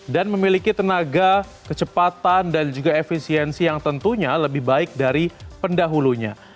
dan memiliki tenaga kecepatan dan juga efisiensi yang tentunya lebih baik dari pendahulunya